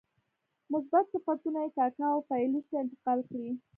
مثبت صفتونه یې کاکه او پایلوچ ته انتقال کړي.